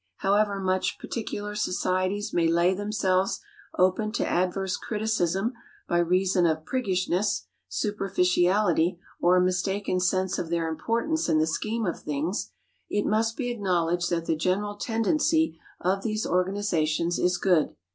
However much particular societies may lay themselves open to adverse criticism by reason of priggishness, superficiality or a mistaken sense of their importance in the scheme of things, it must be acknowledged that the general tendency of these organizations is good.